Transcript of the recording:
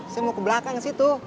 saya mau ke belakang ke situ